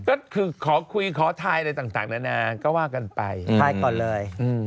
ก็คือขอคุยขอทายอะไรต่างนานาก็ว่ากันไปทายก่อนเลย